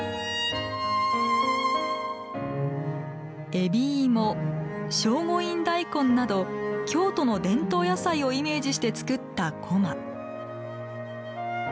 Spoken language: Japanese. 海老芋聖護院大根など京都の伝統野菜をイメージして作ったこま。